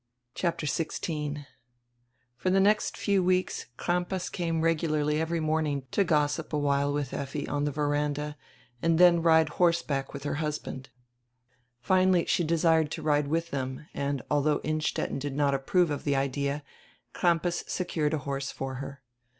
CHAPTER XVI [FOR die next few weeks Crampas came regularly every morning to gossip a while with Effi on the veranda and dien ride horseback widi her husband. Finally she desired to ride widi diem and, although Innstetten did not approve of die idea, Crampas secured a horse for her.